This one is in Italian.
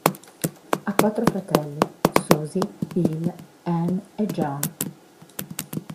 Ha quattro fratelli: Susie, Bill, Ann e John.